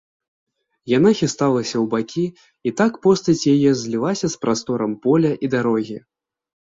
Яна хісталася ў бакі, і так постаць яе злілася з прасторам поля і дарогі.